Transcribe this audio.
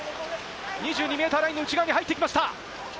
２２ｍラインの内側に入ってきました。